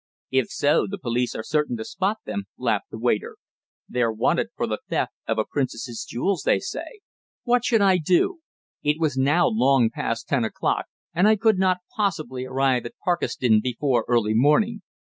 "If so, the police are certain to spot them," laughed the waiter. "They're wanted for the theft of a princess's jewels, they say." What should I do? It was now long past ten o'clock, and I could not possibly arrive at Parkeston before early morning.